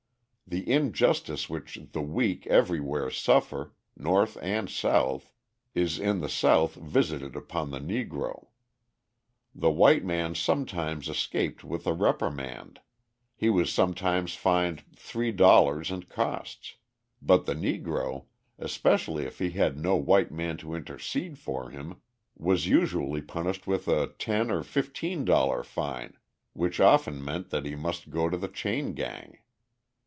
The injustice which the weak everywhere suffer North and South is in the South visited upon the Negro. The white man sometimes escaped with a reprimand, he was sometimes fined three dollars and costs, but the Negro, especially if he had no white man to intercede for him, was usually punished with a ten or fifteen dollar fine, which often meant that he must go to the chain gang.